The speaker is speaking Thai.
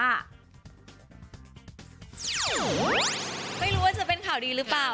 ไม่รู้ว่าจะเป็นข่าวดีหรือเปล่า